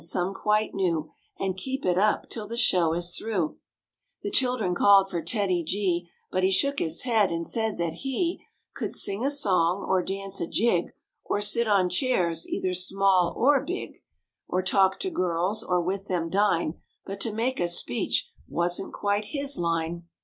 M //^ 4y' The children called for TEDDY G, But he shook his head and said that he Could sing a song or dance a jig. Or sit on chairs either small or big, Or talk to girls or with them dine, But to make a speech wasn't quite his line.